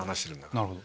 なるほど。